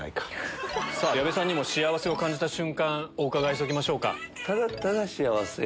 矢部さんにも幸せを感じた瞬間お伺いしときましょうか。